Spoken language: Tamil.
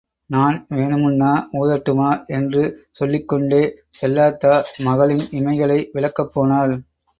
நான் வேணுமுன்னா ஊதட்டுமா... என்று சொல்லிக் கொண்டே செல்லாத்தா மகளின் இமைகளை விலக்கப் போனாள்.